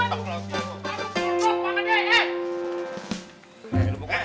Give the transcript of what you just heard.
aduh panggil dia eh